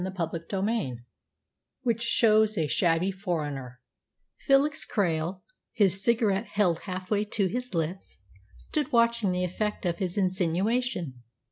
_" CHAPTER XXIII WHICH SHOWS A SHABBY FOREIGNER Felix Krail, his cigarette held half way to his lips, stood watching the effect of his insinuation.